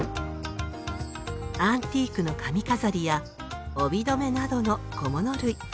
アンティークの髪飾りや帯留めなどの小物類。